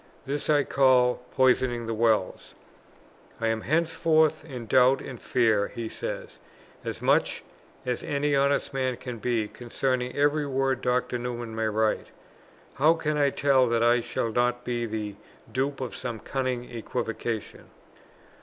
This I call poisoning the wells. "I am henceforth in doubt and fear," he says, "as much as any honest man can be, concerning every word Dr. Newman may write. _How can I tell that I shall not be the dupe of some cunning equivocation?